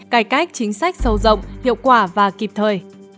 cải cách chính sách sâu rộng hiệu quả và kịp thời